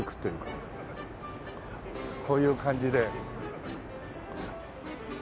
こういう感じで。